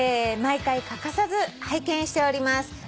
「毎回欠かさず拝見しております」